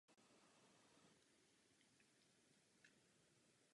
V La Lize Barcelona skončila nakonec druhá.